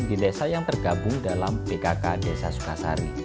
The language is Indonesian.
di desa yang tergabung dalam bkk desa sukasari